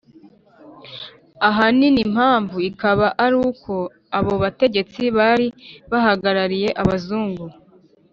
ahanini impamvu ikaba ari uko abo bategetsi bari bahagarariye Abazungu,